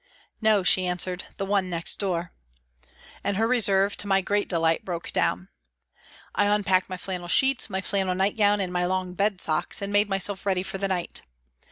" No," she answered, " the one next door," and her reserve, to my great delight, broke down. I unpacked my flannel sheets, my flannel nightgown, and my long bed socks, and made myself ready for the night.